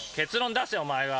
出せお前は。